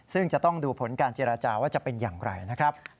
ซึ่งจะต้องดูผลการเจรจาว่าจะเป็นอย่างไรนะครับ